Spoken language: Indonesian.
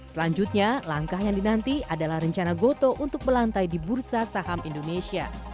selanjutnya langkah yang dinanti adalah rencana gotoh untuk melantai di bursa saham indonesia